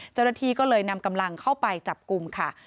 เจ้าหน้าที่ก็เลยนำกำลังเข้าไปจับกลุ่มค่ะ